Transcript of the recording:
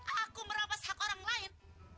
aku merampas hak orang lain